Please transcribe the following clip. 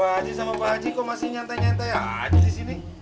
pak haji sama pak haji kok masih nyantai nyantai aja di sini